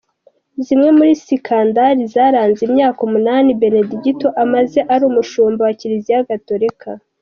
Zimwe muri sikandali zaranze imyaka umunani Benedigito amaze ari umushumba wa kiliziya Gatolika